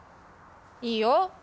いいよ。